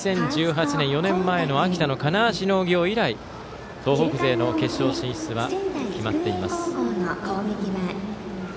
２０１８年４年前の秋田の金足農業以来東北勢の決勝進出は決まっています。